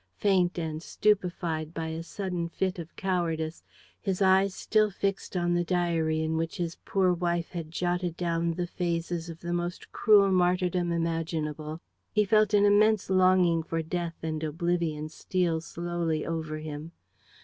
Faint and stupefied by a sudden fit of cowardice, his eyes still fixed on the diary in which his poor wife had jotted down the phases of the most cruel martyrdom imaginable, he felt an immense longing for death and oblivion steal slowly over him.